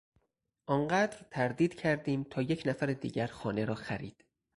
آنقدر تردید کردیم تا یک نفر دیگر خانه را خرید.